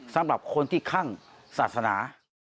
สำหรับคนที่คั่งศาสนา